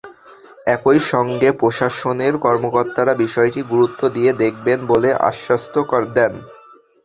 একই সঙ্গে প্রশাসনের কর্মকর্তারা বিষয়টি গুরুত্ব দিয়ে দেখবেন বলে আশ্বাস দেন।